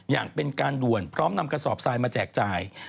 อย่างเป็นการด่วนพร้อมนำกระสอบทรายมาแจกจ่าย